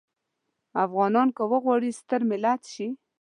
افغانان که غواړي ستر ملت شي.